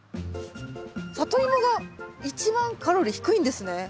サトイモが一番カロリー低いんですね。